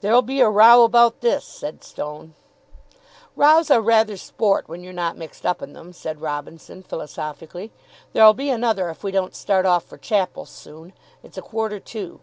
"There'll be a row about this," said Stone. "Rows are rather sport when you're not mixed up in them," said Robinson, philosophically. "There'll be another if we don't start off for chapel soon. It's a quarter to."